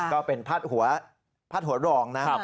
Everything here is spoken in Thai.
ก็เป็นพาดหัวพาดหัวรองนะ